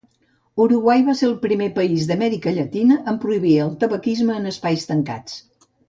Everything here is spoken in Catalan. Uruguai va ser el primer país d'Amèrica Llatina en prohibir el tabaquisme en espais tancats.